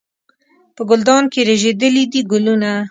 په ګلدان کې رژېدلي دي ګلونه